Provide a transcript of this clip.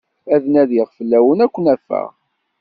Ad nadiɣ fell-awen, ad ken-afeɣ.